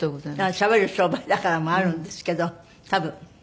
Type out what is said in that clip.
しゃべる商売だからもあるんですけど多分。